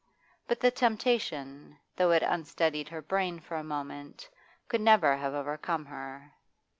But the temptation, though it unsteadied her brain for a moment, could never have overcome her.